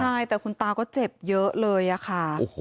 ใช่แต่คุณตาก็เจ็บเยอะเลยอะค่ะ